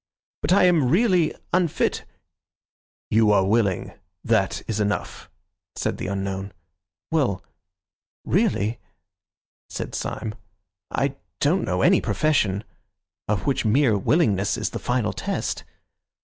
"But I am really unfit—" "You are willing, that is enough," said the unknown. "Well, really," said Syme, "I don't know any profession of which mere willingness is the final test."